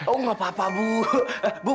oh nggak apa apa bu